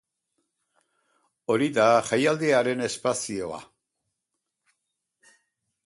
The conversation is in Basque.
Hori da jaialdiaren espazioa.